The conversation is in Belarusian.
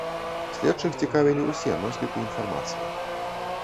Следчых цікавілі усе носьбіты інфармацыі.